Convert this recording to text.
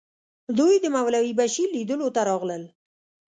دوی د مولوي بشیر لیدلو ته راغلل.